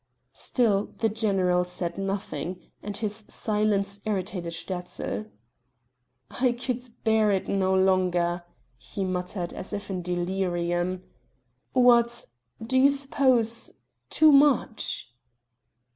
Still the general said nothing, and his silence irritated Sterzl. "I could bear it no longer," he muttered as if in delirium; "what ... do you suppose ... too much...."